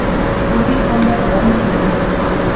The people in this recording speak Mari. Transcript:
Корий тыланда удам ямдыла!